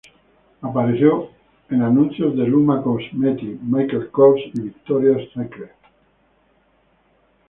Apareció en anuncios de Luma Cosmetics, Michael Kors y Victoria's Secret.